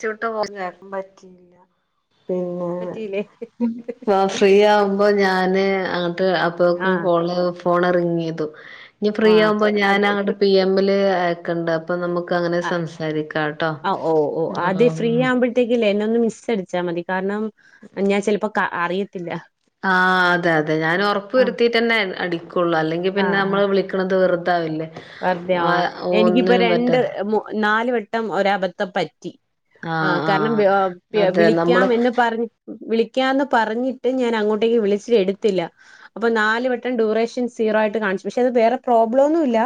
ച്ചൂട്ട് പോവാൻ ആർക്കു പറ്റിയില്ല പിന്നെ പറ്റിയില്ലേ വ ഫ്രീ ആവുമ്പോ ഞാന് ട്ട് അപ്പോക്കും ആഹ് കോള് ഫോൺ റിങ്ങെ യ്തു ഇനി ഫ്രീ ആഹ് ആവുമ്പ അത് ഞാനങ്ങട്ട് പി എമ്മില് ആയക്കണ് ണ്ട് അ അപ്പൊ നമുക്ക് അങ്ങനെ സംസാരിക്കാ ട്ടോ ആതെ ഫ്രീ ആവുമ്പോഴത്തേക്ക് ഇല്ലേ ഇന്നെ ഒന്ന് മിസടിച്ചാ മതി കാര്ണം ഞാൻ ചെലപ്പോ അറിയത്തില്ല ആഹ് അതെ അതെ ഞാൻ ഒറപ്പ് ആഹ് വെരുത്തീട്ടെന്നെ അടിക്കൊള്ളു. അല്ലെങ്കിൽ പിന്നെ ആഹ് ആഹ് നമ്മള് വിളിക്ക്ണത് വെറ്തെ വെറുതെ ആഹ് എനിക്കിപ്പ പറ്റ രണ്ട് നാല് വട്ടം ഒരബദ്ധം പറ്റി ആഹ് കാര്ണം അതെ വിളിക്കാം നമ്മള് എന്ന് പറഞ്ഞ് വിളി പറഞ്ഞിട്ട് ഞാൻ അങ്ങോട്ടേക്ക് വിളിച്ച് എടുത്തില്ല. അപ്പൊ നാല് വട്ടം ഡ്യൂറേഷൻ സീറോ ആയിട്ട് കാൺ പക്ഷെ അത് വേറെ പ്രോബ്ലം ഒന്നു ഇല്ല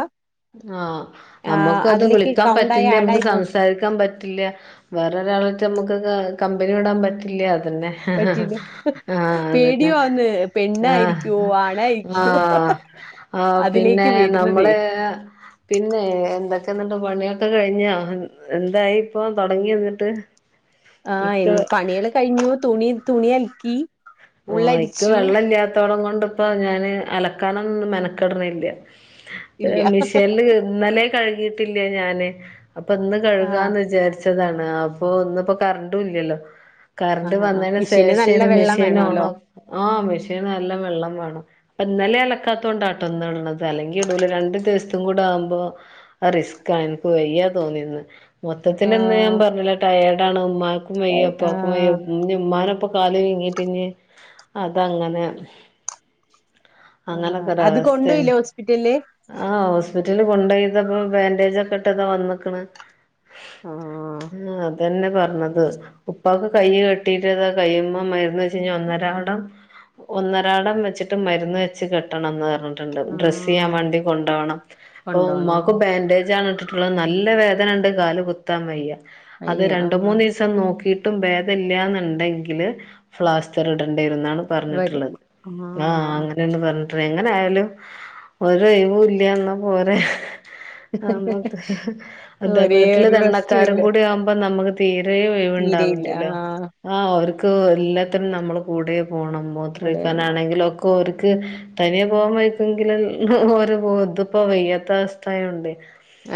ആഹ് നമ്മക്ക് അത് വിളിക്കാൻ കൗണ്ടായി പറ്റില്ല ആഡ് നമുക്ക് ആയി പോകും സംസാരിക്കാൻ പറ്റില്ല വേറെ [unintelligible] നമുക്ക് കമ്പനി വിടാൻ പറ്റില്ല അതുതന്നെ പറ്റില്ല ആഹ് അതുതന്നെ പേടിയാന്ന് പെണ്ണായിരിക്കുവോ ആണായിരിക്കുവോ ആഹ് ആഹ് ആഹ് പിന്നെ അതിലേക്ക് വരുന്നതേ നമ്മള് പിന്നെ എന്തൊക്കെ എന്നിട്ട് പണിയൊക്കെ കഴിഞ്ഞാ എന്തായി ഇപ്പൊ തുടങ്ങി വന്നിട്ട് ആഹ് പണികള് കഴിഞ്ഞു തുണി തുണി അലക്കി ആഹ് എനിക്ക് ഉള്ളടിച്ചു വെള്ളം ഇല്ലാത്തോടം കൊണ്ടിപ്പോ ഞാന് അലക്കാനൊന്നും മെനക്കെടുന്നില്ല ഇല്ല മിഷനില് ഇന്നലെയും കഴുകിയിട്ടില്ല ഞാന് അപ്പൊ ഇന്ന് ആഹ് കഴുകാന്ന് വിചാരിച്ചതാണ് അപ്പൊ ഇന്നിപ്പോ കരണ്ടും ഇല്ലല്ലോ കറണ്ട് ആഹ് ആഹ് വന്നതിന് മിഷീന് നല്ല ശേഷമാണ് വെള്ളം മെഷീന് ഓണാ വേണല്ലോ ആ മെഷീന് നല്ല വെള്ളം വേണം ഇപ്പ ഇന്നലെ അലക്കാത്ത കൊണ്ടാട്ടോ ഇന്നുള്ളത് അല്ലെങ്കി ഇടൂല രണ്ട് ദിവസത്തെയും കൂടെ ആകുമ്പോ അത് റിസ്കാ എനിക്ക് വയ്യാ തോന്നിന്ന് മൊത്തത്തിൽ ഇന്ന് ഞാൻ ആഹ് പറഞ്ഞില്ലേ ടയേർഡ് ആണ് ഉമ്മാക്കും വയ്യാ ഉപ്പാക്കും വയ്യാ ആഹ് [unintelligible] ഇപ്പൊ കാല് വീങ്ങീട്ടിനി അതങ്ങനെ ആഹ് അങ്ങനൊക്കെ അത് ഒരവസ്ഥയാണ് കൊണ്ടോയില്ലേ ഹോസ്പിറ്റലില് ആ അവ ഹോസ്പിറ്റലിൽ കൊണ്ടോയിട്ടിപ്പോ ബാൻഡേജ് ഒക്കെ ഇട്ട് ഇതാ വന്നേക്കണ് ആഹ് ആ അതന്നെ പറഞ്ഞത് ഉപ്പാക്ക് കൈ കെട്ടീട്ടിതാ കയ്യുമ്മേ മരുന്ന് വെച്ച് ഇനി ഒന്നരാടം ഒന്നരാടം വെച്ചിട്ട് മരുന്ന് വെച്ച് കെട്ടണോന്ന് പറഞ്ഞിട്ടുണ്ട് ഡ്രസ് ചെയ്യാൻ ആഹ് വേണ്ടി കൊണ്ടോവണം അപ്പൊ കൊണ്ടോണോ ഉമ്മാക്ക് ബാൻഡേജാണ് ഇട്ടി ട്ടുള്ളത് നല്ല വേദന ഉണ്ട് കാല് കുത്താൻ വയ്യ അത് അയ്യ രണ്ട് ആഹ് മൂന്ന് ദിവസം നോക്കീ ട്ടും ഭേദവില്ലാന്നുണ്ടെങ്കില് ഫ്ലാസ്റ്റർ ഇടേണ്ടി വരുമെന്നാണ് വരും പറഞ്ഞിട്ടുള്ളത് ആ ആഹ് അങ്ങനെയങ്ങട്ട് പറ എങ്ങനെയാലും ഓരു എരുവുല്ല്യ എന്ന പോലെ ആ നമുക്ക് അതാ ഒരേ വീട്ടില് ഒരു റെസ്റ്റും വെള്ളക്കാരും ഇല്ല കൂടി ആവുമ്പോ നമുക്ക് തീരെ ഒഴിവ് രിവ് തീരെയില്ല ണ്ടാവില്ലല്ലോ ആഹ് ആഹ് ഓ ക്ക് എല്ലാത്തിനും നമ്മള് കൂടെ പോണം കൂടെയാണോ മൂത്രയിക്കാനാണെങ്കിലും ഒക്കെ ഓർ ക്ക് തനിയെ പോവാൻ [unintelligible] ഓര്പ്പോ ഇതിപ്പോ വയ്യാത്ത അവസ്ഥായോണ്ടേ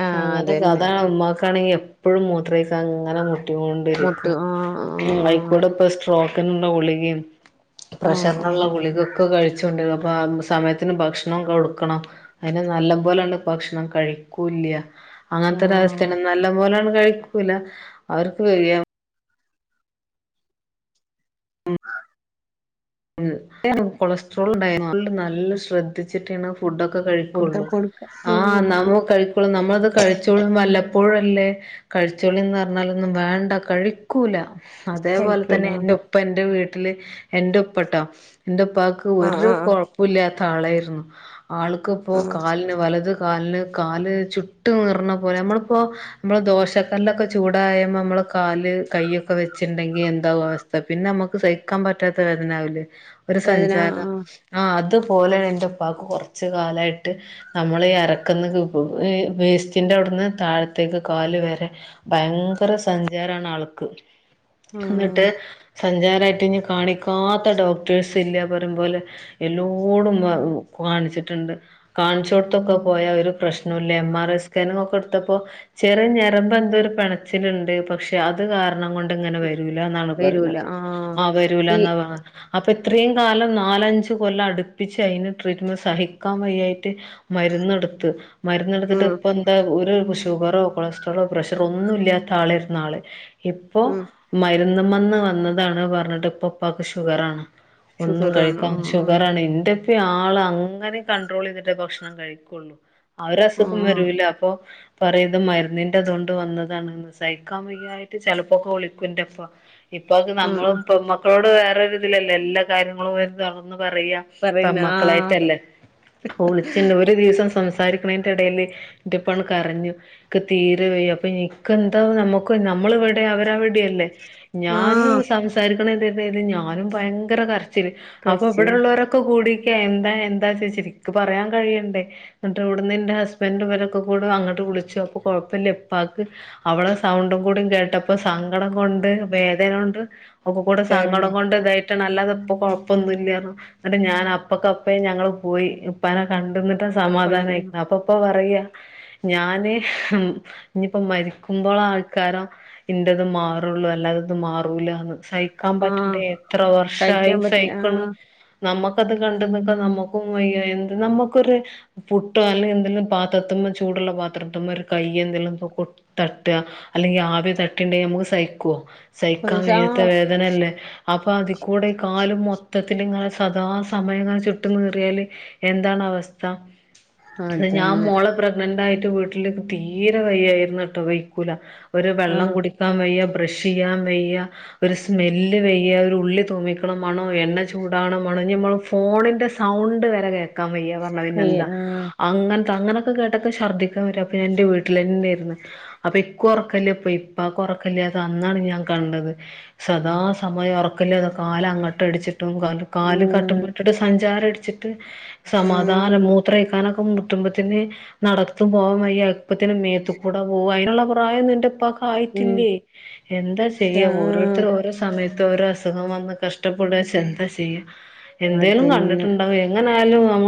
ആഹ് അതന്നെ അങ്ങനെക്കതാണ് ഉമ്മാക്കാണെങ്കി എപ്പോഴും മു ത്രഴിക്കാൻ ഇങ്ങനെ മുട്ടി മുട്ട് കൊണ്ടിരിക്കും ആഹ് ആഹ് അയ്ക്കുടെപ്പൊ സ്ട്രോക് ക് ന്നുള്ള ഗുളികേം ആഹ് പ്രഷർണുള്ള ആഹ് ഗുളികൊക്കെ കഴിച്ചൊണ്ടി വാബ് സമയത്തിന് ഭക്ഷണം കൊടുക്കണം അയിന് നല്ല പോലെയണ്ട് ഭക്ഷണം കഴിക്കൂല്ല്യ ആഹ് ആഹ് അങ്ങനത്തെരവസ്ഥാണ് നല്ല പോലാണ് കഴിക്കൂല അവർക്ക് [unintelligible] [unintelligible] കൊളസ്ട്രോൾ ഉണ്ടായിന്നു [unintelligible] നല്ല ശ്രദ്ധ ദ്ധിച്ചിട്ടാണ് ഫുഡോക്കെ ഫുഡൊക്കെ കഴിക്കുള്ളൂ കൊടുക്ക ആഹ് നമ്മ കഴിക്കുള്ളൂ നമ്മളത് കഴിച്ചോളും വല്ല പ്പോഴല്ലേ കഴിച്ചോളിന്ന് പറഞ്ഞാലൊന്നും വേണ്ട കഴിക്കൂലാ അതേപോലെ കഴിക്കൂല തന്നെ എന്റെ ഉപ്പ എന്റെ വീട്ടില് എന്റെ ഉപ്പട്ടോ എന്റെ ഉപ്പാക്ക് ആഹ് ഒരു ആഹ് ആഹ് കൊഴപ്പില്ലാത്ത ആളായിരുന്നു ആൾക്കിപ്പോ ആഹ് കാലിന് വലത് കാലിന് കാല് ചുട്ട് നീറണ പോലെ നമ്മളിപ്പോ നമ്മള ദോശക്കല്ലൊക്കെ ചൂടായ് നമ്മള് കാല് കൈയ്യൊക്കെ വെച്ചുണ്ടെങ്കി എന്താവും അവസ്ഥ പിന്നെ നമുക്ക് സഹിക്കാൻ പറ്റാത്ത വേ ദനാവൂലെ ഒരു വേദന സഞ്ചാര ആഹ് ആഹ് അത് പോലെയാണ് എന്റെ ഉപ്പാക്ക് കൊറച്ച് കാലായിട്ട് നമ്മളി അരക്കുന്ന വേസ്റ്റിന്റെവ ട്ന്ന് താഴത്തേക്ക് കാല് വരെ ഭയങ്കര സഞ്ചാരാണ് ആൾക്ക് എന്നിട്ട് ആഹ് സഞ്ചാരായിട്ട് ഇനി കാണിക്ക ക്കാത്ത ഡോക്ടേഴ്സ് ഇല്ല പറേം പോലെ എല്ലോടും കാണിച്ചിട്ട്ണ്ട് കാണിച്ചോടത്തൊക്കെ പോയാ ഒരു പ്രശ്നോല്ല്യ എം ആർ ഐ സ്കാനിങ്ങോക്കെ എടുത്തപ്പോ ചെറിയ ഒരു ഞരമ്പോ എന്തോരു പെ ടച്ചിലിണ്ട് പക്ഷേ അത് കാരണം കൊണ്ട് ഇങ്ങനെ വരൂല്ല എന്നാണ് വരൂല പറഞ്ഞത് ആഹ് ആ ഈ വരൂലാന്ന് അപ്പോ ഇത്രേം കാലം നാലഞ്ച് കൊല്ലം അടുപ്പിച്ച് അയിന് ട്രീറ്റ്മെന്റ് സഹിക്കാൻ വയായി മരുന്നെടുത്ത് മരുന്നെടുത്തിട്ട് ഉം ഇപ്പ എന്താ ഒരു ഷുഗറോ കൊളസ്ട്രോളോ പ്രഷറോ ഒന്നും ഇല്ലാത്ത ആളായിര്ന്ന് ആള് ഇപ്പോ ഉം മര് മരുന്ന്മന്ന് വന്നതാണ് പർഞ്ട്ട് ഇപ്പൊ ഉപ്പാക്ക് ഷുഗറാണ് ഒന്നും ഷുഗറാണ് കഴിക്കാം ആഹ് ഷുഗറാണ് എന്ത്‌ പ്പ ആള് അങ്ങനിം കണ്ട്രോള് യ്തിട്ടെ ഭക്ഷണം കഴിക്കുള്ളു അവര അസുഖം ആഹ് വരൂല അപ്പൊ പറയും മര്ന്നിന്റെ തോണ്ട് വന്നതാണ് സൈക്കാൻ വെയ്യായിട്ട് ചെലപ്പോക്കെ വിളിക്കുന്റെപ്പ ഇപ്പാക്ക് ആഹ് ആഹ് നമ്മളും പെമക്കളോട് വേറൊരു ഇതിലല്ലേ എല്ലാ കാര്യങ്ങളും വര് തോർന്ന് പറയ്യാ പറയുന്ന ആഹ് പെമക്കളായിട്ടല്ലേ ഇപ്പൊ വിളിച്ച്ണ്ട് ഒരു ദിവസം സം സാരിക്ക്‌ണെന്റെ എടില് ഇന്റപ്പണ്ട് കരഞ്ഞു ഇൻക്ക്‌ തീരെ വയ്യ അപ്പൊ ഇന്കെന്താ നമ്മുക്ക് നമ്മള് ഇവിടെ അവര് അവിടിം അല്ലേ ഞാനും ആഹ് സംസാരിക്ണെന്റെ എടെല് ഞാനും ഭയങ്കര കര ച്ചില് അപ്പൊ കരച്ചിൽ ഇവിടെള്ളോരോക്കെ കൂടി എന്താ എന്താ ചോയ്ച്ച് ഇൻക്ക്‌ പറയാൻ കഴിയണ്ടേ എന്നിട്ട് ഇവടന്ന് ഇന്റെ ഹസ്ബന്റ് ഇവരൊക്കെ കൂടെ അങ്ങട്ട് വിളിച്ചു അപ്പൊ കൊഴപ്പല്ല്യാ ഇപ്പാക്ക് അവളെ സൗണ്ടും കൂടെ കേട്ടപ്പം സങ്കടം കൊണ്ട് വേദന നോണ്ട് ഒക്കെകൂടെ സങ്കടം കരഞ്ഞ് കൊണ്ട് ഇതായി ല്ലാതെപ്പൊ കൊഴപ്പൊന്നുല്ല എന്നിട്ട് ഞാൻ അപ്പക്കപ്പളെ ഞങ്ങള് പോയി ഇപ്പാനെ കണ്ട് ന്നി കൊണ്ടുവന്ന് സമാധാനയ്ക്ക്‌ണ് അപ്പ ഇപ്പ പറയാ ഞാന് ഇഞ് പ്പോ മരിക്കുമ്പളാക്കാരം ഇന്റത് മാറോള്ളൂ അല്ലാതെ മാറൂലാന്ന് സഹിക്കാൻ ആഹ് പറ്റണ്ടേ എത്ര വർഷായി സഹിക്കാൻ പറ്റില്ല സഹിക്ക്‌ണ് നമ്മക്കത് കണ്ട് നിക്കാൻ നമ്മക്കും വയ്യ എന്ത്‌ നമ്മക്കൊരു പുട്ടോ, അല്ലെ എന്തെലും പാത്രത്ത് ചൂടുള്ള പാത്രത്ത്മ്മേ ഒരു കയ്യ് എന്തെലും കോ തട്ടാ അല്ലെങ്കി ആവി തട്ടിണ്ടെങ്കി നമുക്ക് സഹിക്കോ സഹിക്കാൻ ആഹ് വയ്യാത്തെ ആഹ് വേദനല്ലേ അപ്പൊ അതി കൂടെ കാല് മൊത്തത്തില്ങ്ങനെ സദാ സമയം ചുട്ട് നീറിയാല് എന്താണ് അവസ്ഥ ഞാൻ അതന്നെ മോളെ പ്രഗ്നന്റ് ആയി ന്റെ വീട്ടില് തീരെ വയ്യയിരുന്നു ട്ടോ വൈക്കൂല ഒരു വെള്ളം ആഹ് കുടിക്കാൻ വയ്യ ബ്രഷ് യ്യാൻ വയ്യ ഒരു സ്മെല്ല് വെയ്യ ഒരു ഉള്ളി തോുമിക്കണമാണോ എണ്ണ ചൂടകണമാണോ നമ്മൾ ഫോണിൻ്റെ സൗണ്ട് വരെ ാൻ വയ്യ പറഞ്ഞ കയ്യ് പിന്നെന്താ ആഹ് അങ്ങനെ- അങ്ങനെയൊക്കെ കേട്ടൊക്കെ ശർദ്ദിക്കാൻ വും അപ്പൊ എന്റെ വീട്ടിൽ തന്നെയായിരുന്നു അപ്പൊ ഇക്ക ഉറക്കല്ലൊ ഇപ്പക്- ഉറക്കല്ലാത അന്നാണ് ഞാൻ കണ്ടത്- സദാ സമയം ഉറക്കില്ല അത കാാല അങ്ങോട്ടും അടിച്ചിട്ടും കാല് കട്ടും ഉം ഇട്ടിട്ട് സഞ്ചാരം ട്ട് സമാധാനം ആഹ് മൂത്രയക്കാനൊക്കെ മുടുംബത്തിന് നടത്തും പോകാൻ വയ്യ- ഇപ്പത്തിനെ മേത്തക്കൂടെ പോകും അതിനുള്ള പ്രായം എന്റെ ഉപ്പാക്ക് - ഉം ആയിത്തില്ലേ എന്താ ചെയ്യ ഓരോ- ആഹ് സമയത്ത് ഓരസുഖം വന്ന കഷ് ഇഷ്ടപ്പെടെ എന്താ ചെയ്യുക എന്തേലും അതന്നെ കണ്ടിട്ടുണ്ടാവോ എങ്ങനാ എന്നാലും നമ്മ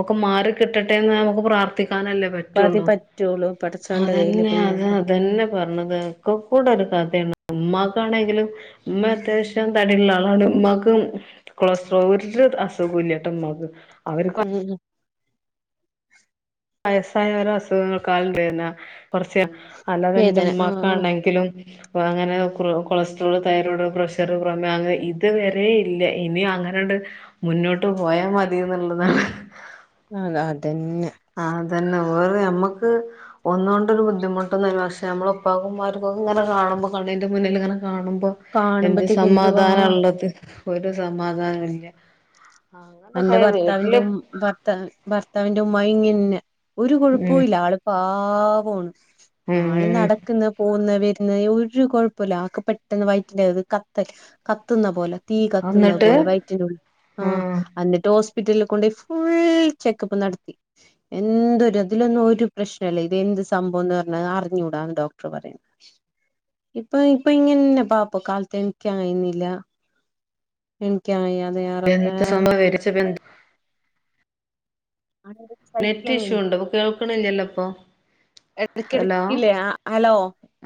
ഒക്കെ മാറ കിട്ടെന്ന് നമുക്ക് പ്രാർത്ഥിക്ക നല്ലേ പതി പറ്റുള്ളൂ പറ്റുള്ളൂ പടച്ചോന്റെ കയ്യില് അതന്നെ അത് പിന്നെല്ലേ അതന്നെ പറഞ്ഞത് ഒക്കെ കൂടെ ഒരു കഥയാണ് ഉമ്മാക്കാണെങ്കിലും ഉമ്മ അത്യാവശ്യം തടിയുള്ള ആൾ എന്നാലും ഉമ്മാക്ക് കൊളസ്ട്രോൾ ഒരു അസുഖ ഇല്ലാട്ടോ ഉമ്മാക്ക് - [unintelligible] വയസ്സായ ഓരോ അസുഖങ്ങൾക്കാലും കുറച്ച് വേദന ആഹ് അല്ലാതെന്റെമ്ക്കാണെങ്കിലും- അപ്പൊ അങ്ങനെ കൊളസ്ട്രോള് തൈറോയ്ഡ് പ്രഷർ ക്മേ അങ്ങനെ ഇത് വരെ ഇല്ല ഇനി അങ്ങനെ- മുന്നോട്ട് പോയാൽ മതി എന്നുള്ളതാണ്- അതാത് - ആഹ് അതന്നെ വേറെ അമ്മക്- ഒന്നുകൊണ്ടൊരു ബുദ്ധിമുട്ടൊന്നുമല്ല പക്ഷെ നമ്മള ഉപ്പാക്കന്മാർക്കക്ക ഇങ്ങനെ കാണുമ്പോ കണിന്റെ മുന്നിൽ ഇങ്ങനെ- കാണുമ്പോ എന്ത് കാണുമ്പത്തേക്ക് എന്തുവാ സമാധാനം ഉള്ളത് ഒരു സമാധാന ഇല്ല- എന്റെ അങ്ങനൊക്കെ ഭർത്താവിന്റെ വീട്ടില് ഉ ഭർത്ത ഭർത്താവിന്റെ ഉമ്മ ഇങ്ങന്ന്നാ- ഒരു ഉം കുഴപ്പോല്ല ആള് പാവാണ് ആള് ഉം നടക്കുന്ന പോന്ന് വര് ന്നായി ഒരു കൊഴപ്പോല്ല ആക്ക് പെട്ടെന്ന് വയറ്റിന്റത്ത് കത്തൽ കത്തുന്ന പോലെ തീ കത്തുന്ന അന്നിട്ട് പോലെ വയറ്റിനുള്ളി ആഹ് ഉം എന്നിട്ട് ഹോസ്പിറ്റലിൽ കൊണ്ടോയി ഫുൾ ചെക്കപ്പ് നടത്തി എന്തൊരു അതിലൊന്നും ഒരു പ്രശ്നല്ല. ഇതെന്ത് സംഭവന്ന് പറഞ്ഞാ അറിഞ്ഞൂടാന്ന് ഡോക്ടർ പറയുന്ന് ഇപ്പൊ ഇപ്പൊ ഇങ്ങനന്നെ പാപ്പ കാലത്ത് എണീക്കാൻ കയിയുന്നില്ല. എണീക്കാൻ കഴിയാ [unintelligible] നെറ്റ് ഇഷ്യൂ ഉണ്ടോ? ഇപ്പൊ കേൾക്കണില്ലല്ലോ ഇപ്പൊ. ഹലോ എടക്കെടക്കില്ലേ ആഹ് ഹലോ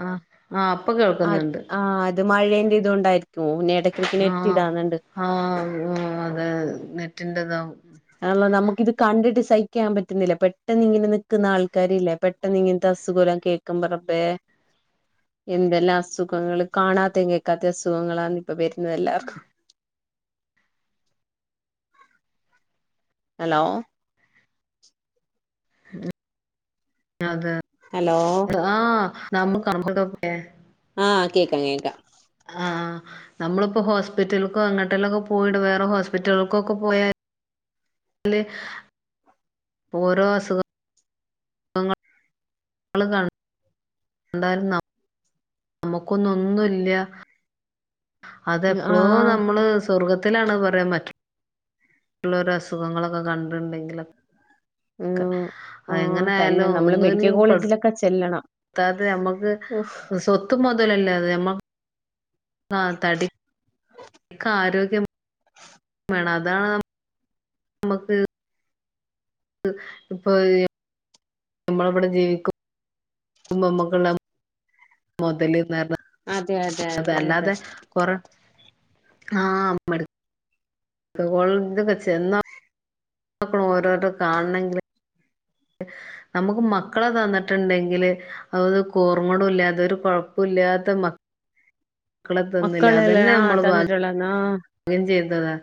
ആഹ് ആഹ് ഇപ്പൊ അത് കേൾക്കുന്നുണ്ട് ആഹ് അത് മഴേന്റെ ഇതോണ്ടായിരിക്കും പിന്നെ എടക്കെടക്ക് നെറ്റ് ആഹ് ഇതാകുന്നുണ്ട്. ആഹ് അതെ അതെ നെറ്റിന്റെതാവും. ഇത് കണ്ടിട്ട് സഹിക്കാൻ പറ്റുന്നില്ല. പെട്ടെന്ന് ഇങ്ങനെ നിക്കുന്ന ആൾക്കാരില്ലേ പെട്ടെന്ന് ഇങ്ങനത്തെ അസുഖെല്ലാം കേൾക്കു ക്കുമ്പോ റബ്ബേ. എന്തെല്ലാം അസുഖങ്ങള് കാണാത്തേം കേക്കാത്തേം അസുഖങ്ങളാണ് ഇപ്പൊ വര് ന്നതെല്ലാർക്കും ഹലോ അതെ ഹലോ ആഹ് [unintelligible] ആഹ് കേക്കാം കേക്കാം ആഹ് നമ്മളിപ്പോ ഹോസ്പിറ്റലിക്കോ അങ്ങോട്ടെല്ലക്കൊ പോയിട്ട് വേറെ ഹോസ്പിറ്റലിക്കോ ഒക്കെ പോയാ ല് ഓരോ അസുഖ ങ്ങള് കണ്ടാല് നമ്മുക്കൊന്നു ഒന്നുവില്ല അതെപ്പോളോ ആഹ് നമ്മള് സ്വർഗ്ഗ ത്തിലാണെന് പറയാം മറ്റുള്ളോരുടെ അസുഖങ്ങളൊക്കെ കണ്ടിട്ടുണ്ടെങ്കിലൊ ക്കെ ആഹ് തന്നെ അതെങ്ങനെയാലും നമ്മള് മെഡിക്കൽ ഒന്നിനും പ കോളേജിലൊക്കെ ചെല്ലണം അത്താത് നമ്മുക്ക് ഓഹ് സ്വത്തും മൊതലുവല്ല അത് ഞമ്മ ആ തടി ക്കാരോഗ്യം അതാണ് നമുക്ക് ഇപ്പൊ ഈ നമ്മളിവിടെ ജീവിക്കു മ്പൊ നമ്മുക്കുണ്ടാകുന്നെ മൊതല് [unintelligible] അതെ അല്ലാതെ കൊറെ ആ മടു ക്കോൾ ഇതൊക്കെ ചെന്നോക്കണം ഓരോരൊ കാണണങ്കില് നമുക്ക് മക്കളെ തന്നിട്ടുണ്ടെങ്കില് അത് കോർങ്ങൂടില്ലാതെ ഒരു കൊഴപ്പ ഇല്ലാത്ത മ മക്കളെയല്ലെ ആ തന്നിട്ടോള്ളെന്ന് ആ ഭാഗ്യം ചെയ്തതാ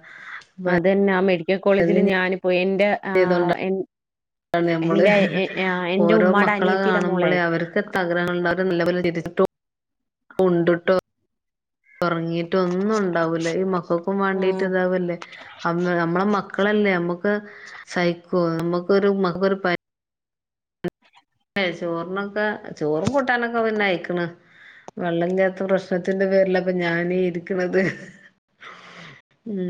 അതന്നെ ആ മെഡിക്ക കോളേജില് ഞാന് പോയി എന്റെ ആ എ ആണ് നമ്മള് ആ എന്റെ ഓരോ ഉമ്മാടെ മക്കളെ അനിയത്തിയുടെ മോളെ കാണുമ്പോളെ അവർക്ക് തകര [unintelligible] ഉണ്ടിട്ടോ ഉറങ്ങീട്ടൊ ഒന്നും ഉണ്ടാവൂല്ല ഈ മക്കൾക്കും ആ വേണ്ടീട്ട് ഇതാവല്ലേ അമ്മ നമ്മള മക്കള ല്ലെ നമ്മക്ക് സഹിക്കോ നമക്കൊരു മ ഒരു പ ഏ ചോറിനൊക്കെ ചോറും കൂട്ടാനൊക്കെ പിന്നെ അയിക്കണ് വെള്ളം ഇല്ലാത്ത പ്രശ്നത്തിന്റെ പേരില അപ്പൊ ഞാനീ ഇരിക്കണത് ഉം